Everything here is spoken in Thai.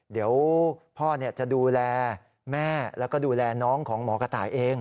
เดี๋ยวพ่อจะดูแลแม่แล้วก็ดูแลน้องของหมอกระต่ายเอง